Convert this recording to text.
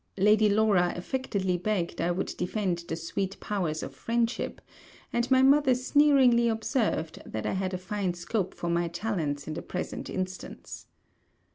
Lady Laura affectedly begged I would defend the sweet powers of friendship; and my mother sneeringly observed, that I had a fine scope for my talents in the present instance.